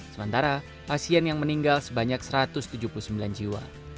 sementara pasien yang meninggal sebanyak satu ratus tujuh puluh sembilan jiwa